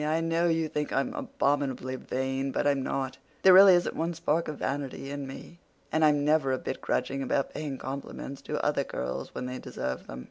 I know you think I'm abominably vain, but I'm not. There really isn't one spark of vanity in me. And I'm never a bit grudging about paying compliments to other girls when they deserve them.